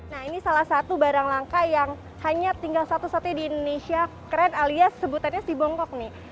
nah ini salah satu barang langka yang hanya tinggal satu satunya di indonesia keren alias sebutannya si bongkok nih